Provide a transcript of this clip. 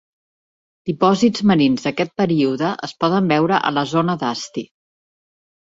Dipòsits marins d'aquest període es poden veure a la zona d'Asti.